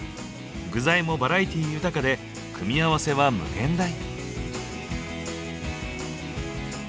具材もバラエティー豊かで組み合わせは無限大。